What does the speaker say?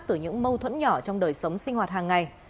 từ những mâu thuẫn nhỏ trong đời sống sinh hoạt hàng ngày